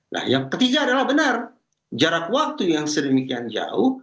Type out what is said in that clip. nah yang ketiga adalah benar jarak waktu yang sedemikian jauh